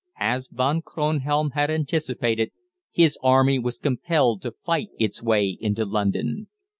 As Von Kronhelm had anticipated, his Army was compelled to fight its way into London.